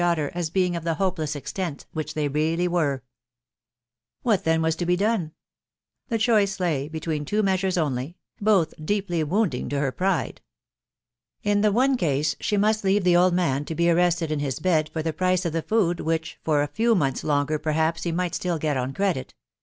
daughter as being of the hopek&fi extent v*\v\&v fes^ tr£&^ 44 THB WIDOW BARNABY. What, then, was to be done ? The choice lay between two measures only, both deeply wounding to her pride. In the one case she must leave the old man to be arrested in his bed for the price of the food which for a few months longer perhaps he might still get on credit